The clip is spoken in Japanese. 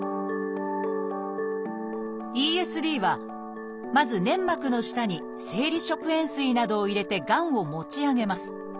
「ＥＳＤ」はまず粘膜の下に生理食塩水などを入れてがんを持ち上げます。